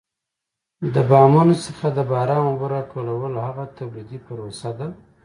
د بامونو څخه د باران اوبه را ټولول هغه تولیدي پروسه ده.